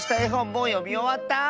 もうよみおわった？